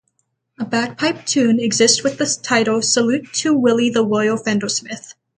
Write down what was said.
A bagpipe tune exists with the title "Salute to Willie the Royal Fendersmith".